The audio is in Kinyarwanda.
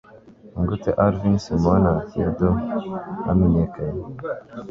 Nigute Alvin, Simon & Theodore Bamenyekanye?